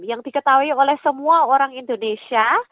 yang diketahui oleh semua orang indonesia